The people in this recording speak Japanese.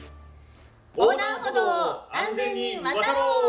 横断歩道を安全に渡ろう！